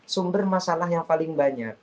sumber masalah yang paling banyak